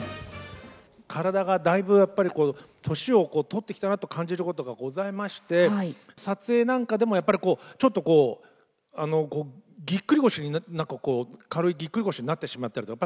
体がだいぶ、やっぱり年を取ってきたなと感じることがございまして、撮影なんかでも、やっぱりちょっとこう、ギックリ腰に、なんか、軽いギックリ腰になってしまったりとか。